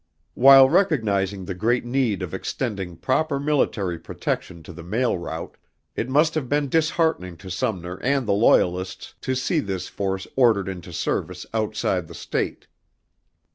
While recognizing the great need of extending proper military protection to the mail route, it must have been disheartening to Sumner and the loyalists to see this force ordered into service outside the state.